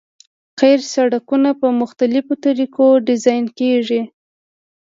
قیر سرکونه په مختلفو طریقو ډیزاین کیږي